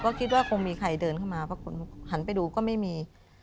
ก็คิดว่าคงมีใครเดินเข้ามาเพราะคนหันไปดูก็ไม่มี